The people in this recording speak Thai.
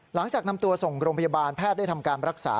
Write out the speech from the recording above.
หลังจากนำตัวส่งโรงพยาบาลแพทย์ได้ทำการรักษา